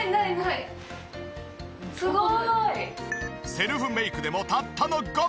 セルフメイクでもたったの５分！